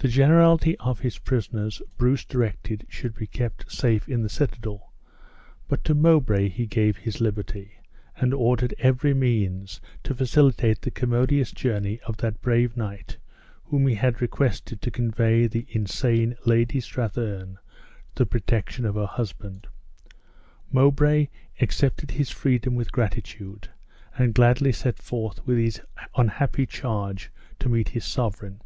The generality of his prisoners Bruce directed should be kept safe in the citadel; but to Mobray he gave his liberty, and ordered every means to facilitate the commodious journey of that brave knight whom he had requested to convey the insane Lady Strathearn to the protection of her husband. Mowbray accepted his freedom with gratitude, and gladly set forth with his unhappy charge to meet his sovereign.